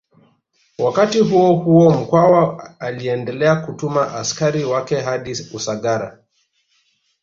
Wakati huohuo Mkwawa aliendelea kutuma askari wake hadi Usagara